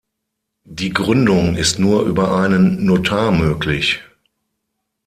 Die Gründung ist nur über einen Notar möglich.